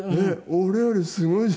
俺よりすごいじゃないの。